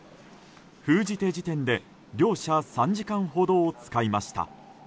封じ手時点で両者３時間ほどを使いました。